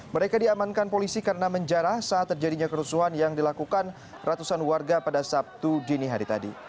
mereka diamankan polisi karena menjarah saat terjadinya kerusuhan yang dilakukan ratusan warga pada sabtu dini hari tadi